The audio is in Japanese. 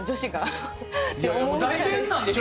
代弁なんでしょ？